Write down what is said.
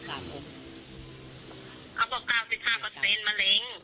อ่ะแต่เราก็ไม่เชื่อเรื่องนี้